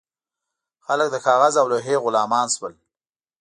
خلک د کاغذ او لوحې غلامان شول.